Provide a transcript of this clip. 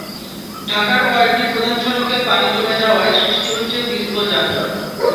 ঢাকার কয়েকটি প্রধান সড়কে পানি জমে যাওয়ায় সৃষ্টি হচ্ছে দীর্ঘ যানজট।